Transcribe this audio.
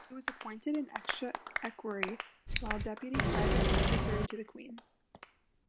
He was appointed an Extra Equerry while Deputy Private Secretary to the Queen.